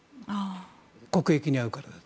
国益に合うからだと。